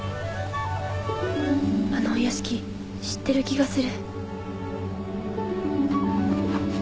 あのお屋敷知ってる気がする。